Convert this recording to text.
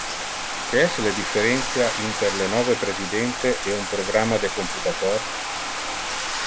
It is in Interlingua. Que es le differentia inter le nove presidente e un programma de computator?